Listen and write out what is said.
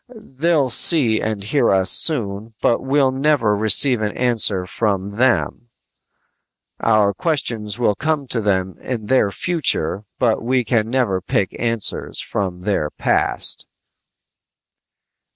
They'll see and hear us soon, but we'll never receive an answer from them! Our questions will come to them in their future but we can never pick answers from their past!"